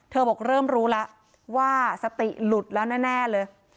เธอบอกเริ่มรู้ล่ะว่าสติหลุดแล้วแน่แน่เลย